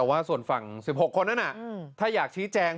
แต่ว่าส่วนฝั่ง๑๖คนนั้นถ้าอยากชี้แจง